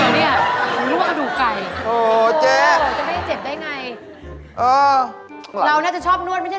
มือมือเหมาะ